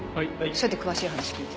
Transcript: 署で詳しい話聞いて。